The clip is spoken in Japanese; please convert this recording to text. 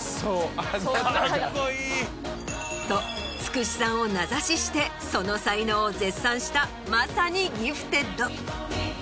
・とつくしさんを名指ししてその才能を絶賛したまさにギフテッド。